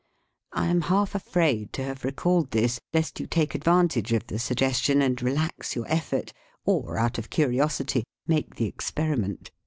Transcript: I am half afraid to have recalled this, lest you take advantage of the suggestion and relax your effort, or, out of curiosity, make the experi ment.